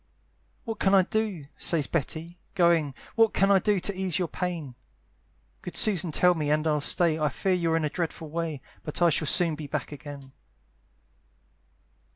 "What can I do?" says Betty, going, "What can I do to ease your pain? "Good Susan tell me, and I'll stay; "I fear you're in a dreadful way, "But I shall soon be back again."